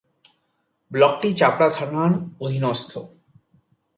ব্লকটি চাপড়া থানার অধীনস্থ।